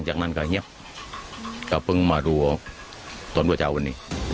จะเรียกว้าแล้วเข้นล่างแล้ว